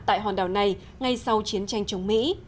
tại hòn đảo này ngay sau chiến tranh chống mỹ